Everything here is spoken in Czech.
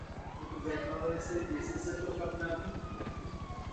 Atlético tak hned na začátku nové sezóny získalo cennou trofej.